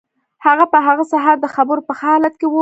هغه په هغه سهار د خبرو په ښه حالت کې و